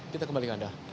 kita kembali ke anda